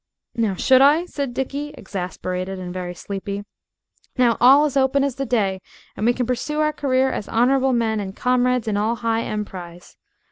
"Now, should I?" said Dickie, exasperated and very sleepy. "Now all is open as the day and we can pursue our career as honorable men and comrades in all high emprise.